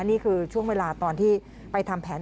นี่คือช่วงเวลาตอนที่ไปทำแผน